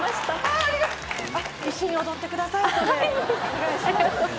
お願いします。